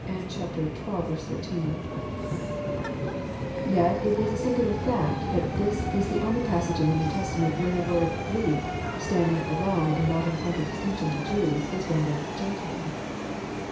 "^ Yet it is a singular fact that this is the only passage in the New Testament where the word <* Greek," standing alone and not in contradistinction to Jews, is rendered Gentile."